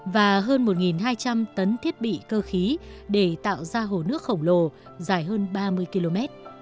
và hơn một hai trăm linh tấn thiết bị cơ khí để tạo ra hồ nước khổng lồ dài hơn ba mươi km